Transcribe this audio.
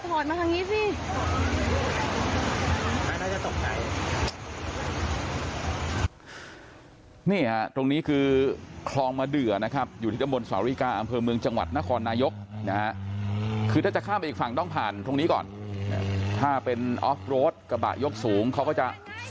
มันเกิดอะไรขึ้นเนี่ยไปดูนะครับ